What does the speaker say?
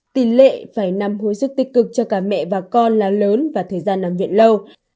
tỷ lệ phải nằm hồi sức tích cực cho cả mẹ và con là lớn và thời gian nằm viện lâu